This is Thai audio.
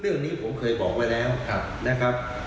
เรื่องนี้ผมเคยบอกไว้แล้วนะครับ